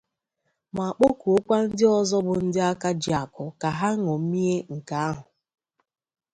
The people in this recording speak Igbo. ma kpọkuokwa ndị ọzọ bụ ndị aka ji akụ ka ha ñòmie nke ahụ